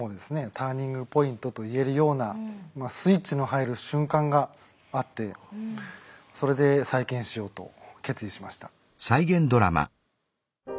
ターニングポイントといえるようなスイッチの入る瞬間があってそれで再建しようと決意しました。